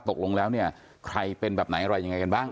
ตกลงแล้วเนี่ยใครเป็นแบบไหนอะไรยังไงกันบ้าง